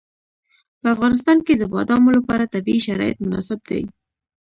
په افغانستان کې د بادامو لپاره طبیعي شرایط مناسب دي.